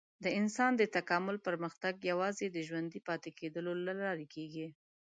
د انسان د تکامل پرمختګ یوازې د ژوندي پاتې کېدو له لارې کېږي.